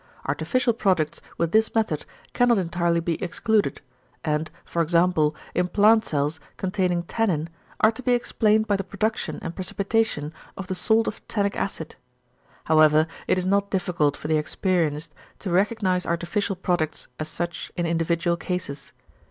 Artificial products with this method cannot entirely be excluded, and, e.g. in plant cells containing tannin, are to be explained by the production and precipitation of the salt of tannic acid. However it is not difficult for the experienced to recognise artificial products as such in individual cases.